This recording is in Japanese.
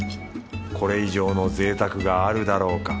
これ以上のぜいたくがあるだろうか？